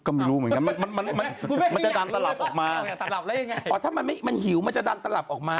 ก็ไม่รู้เหมือนกันมันจะดันตลับออกมาอ๋อถ้ามันหิวมันจะดันตลับออกมา